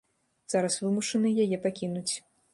Зараз вымушаны яе пакінуць.